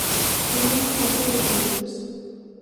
William sufre de tinnitus.